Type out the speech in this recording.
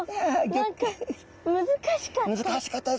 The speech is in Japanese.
何か難しかった。